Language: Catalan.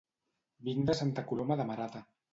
Vinc de Santa Coloma de Marata